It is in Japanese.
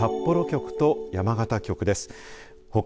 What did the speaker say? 札幌局と山形局です。